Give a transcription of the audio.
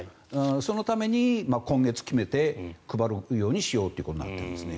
そのために今月決めて配るようにしようということになってるんですね。